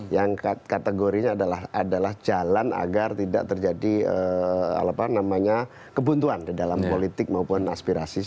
yang kategorinya adalah jalan agar tidak terjadi kebuntuan di dalam politik maupun aspirasi